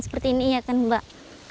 seperti ini ya kan mbak